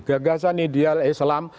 gagasan ideal islam